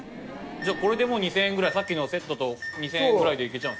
じゃあこれで２０００円ぐらいさっきのセットと２０００円ぐらいで行けちゃう。